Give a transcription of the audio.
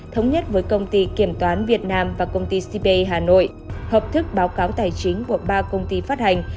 thống nhất với công ty kiểm toán việt nam và công ty cp hà nội hợp thức báo cáo tài chính của ba công ty phát hành